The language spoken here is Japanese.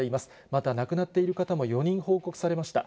また亡くなっている方も４人報告されました。